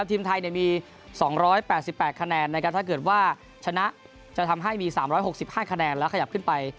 ทีมไทยมี๒๘๘คะแนนนะครับถ้าเกิดว่าชนะจะทำให้มี๓๖๕คะแนนแล้วขยับขึ้นไป